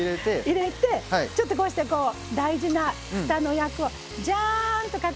入れてちょっとこうしてこう大事なふたの役をジャーンとかけます。